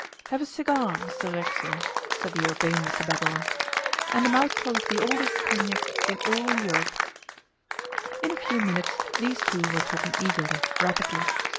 'Have a cigar, Mr Racksole,' said the urbane Mr Babylon, 'and a mouthful of the oldest cognac in all Europe.' In a few minutes these two were talking eagerly, rapidly.